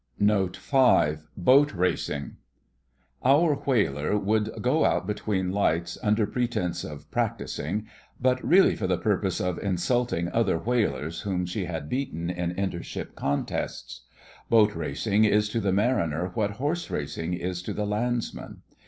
NOTE V BOAT RACING Our whaler would go out between lights under pretence of practising, but really for the purpose of insulting other whalers whom she had beaten in inter ship contests. Boat racing is to the mariner what horse racing is to the landsman.